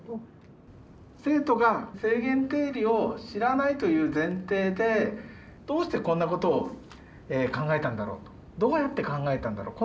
生徒が正弦定理を知らないという前提でどうしてこんなことを考えたんだろうとどうやって考えたんだろう